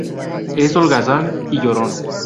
Es holgazán y llorón.